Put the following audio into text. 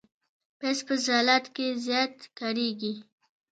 پیاز په سلاد کې زیات کارېږي